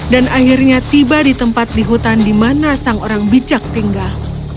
dan akhirnya tiba di tempat di hutan di mana sang orang bijak tinggal